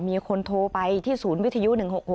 มีคนโทรไปที่ศูนย์วิทยุ๑๖๖